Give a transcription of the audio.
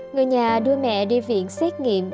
người nhà đưa mẹ đi viện xét nghiệm